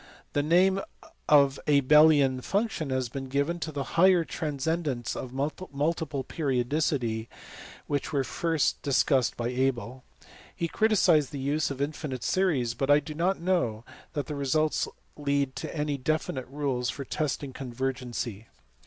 The name of Abelian function has been given to the higher transcendents of multiple periodicity which were first discussed by Abel. He criticized the use of infinite series, but I do not know that the results lead to any definite rules for testing convergency.